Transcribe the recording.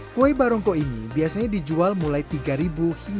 kue barongko ini biasanya dijual mulai tiga hingga lima rupiah per buahnya